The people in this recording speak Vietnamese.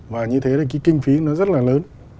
và như thế là cái kinh phí nó rất là lớn